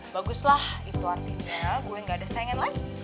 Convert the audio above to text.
baguslah itu artinya gue gak ada sengen lagi